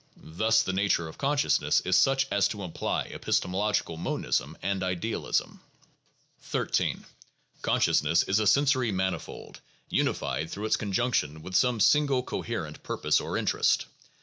Thus the nature of consciousness is such as to imply epistemological monism and idealism. (16.) 13. Consciousness is a sensory manifold unified through its con junction with some single coherent purpose or interest.